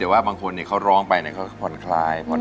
่วนและสสัน